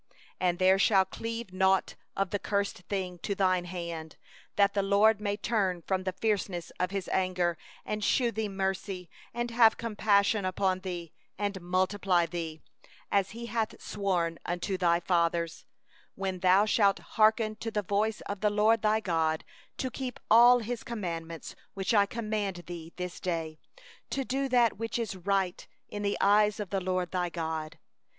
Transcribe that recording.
18And there shall cleave nought of the devoted thing to thy hand, that the LORD may turn from the fierceness of His anger, and show thee mercy, and have compassion upon thee, and multiply thee, as He hath sworn unto thy fathers; 19 when thou shalt hearken to the voice of the LORD thy God, to keep all His commandments which I command thee this day, to do that which is right in the eyes of the LORD thy God.